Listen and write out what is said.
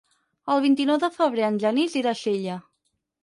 El vint-i-nou de febrer en Genís irà a Xella.